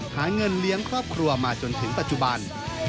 หาเงินเลี้ยงครอบครัวมาจนถึงปัจจุบัน